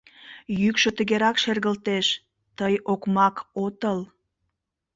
Йӱкшӧ тыгерак шергылтеш: «Тый окмак отыл.